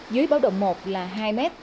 dưới báo độ một là hai m